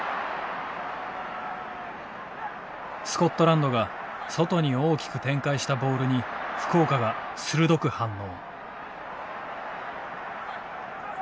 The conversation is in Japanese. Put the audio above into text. スコットランドが外に大きく展開したボールに福岡が鋭く反応。